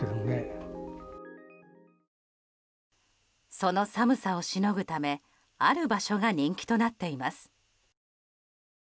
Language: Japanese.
その寒さをしのぐためある場所が人気となっています。